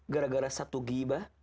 gara gara satu gibah